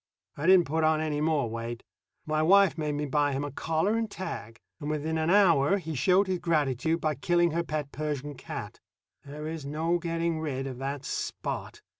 I didn't put on any more weight. My wife made me buy him a collar and tag, and within an hour he showed his gratitude by killing her pet Persian cat. There is no getting rid of that Spot.